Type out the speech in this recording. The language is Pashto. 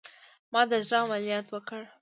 ما د زړه عملیات وکړه